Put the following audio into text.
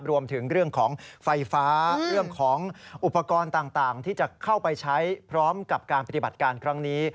รวมถึงเรื่องของไฟฟ้าเรื่องของอุปกรณ์ต่างที่จะเข้าไปใช้พร้อมกับการปฏิบัติการครั้งนี้